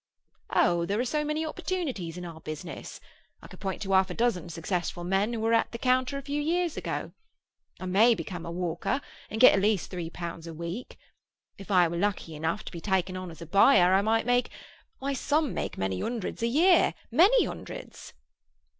"Oh, there are so many opportunities in our business. I could point to half a dozen successful men who were at the counter a few years ago. I may become a walker, and get at least three pounds a week. If I were lucky enough to be taken on as a buyer, I might make—why, some make many hundreds a year—many hundreds."